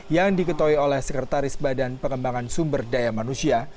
yang diketahui oleh sekretaris badan pengembangan sumber daya manusia